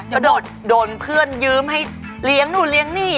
ก็โดนเพื่อนยืมให้เลี้ยงนู่นเลี้ยงนี่